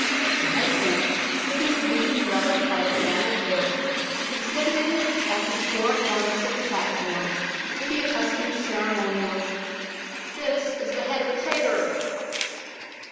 The heads man, lifting the bleeding relic by its matted hair, exhibited it at the four corners of the platform with the accustomed ceremonial " This is the head of a traitor